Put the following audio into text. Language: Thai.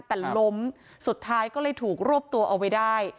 แต่ล้มสุดท้ายก็เลยถูกรวบตัวเอาไว้ได้